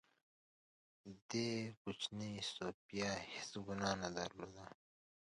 دې کوچنۍ سوفیا هېڅ ګناه نه درلوده